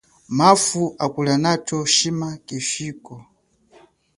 Mafo akulia nacho shima keshiko.